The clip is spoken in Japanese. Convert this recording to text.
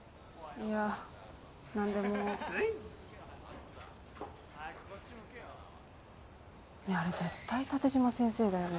いやあれ絶対縦島先生だよね？